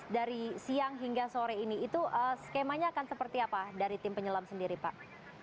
dari siang hingga sore ini itu skemanya akan seperti apa dari tim penyelam sendiri pak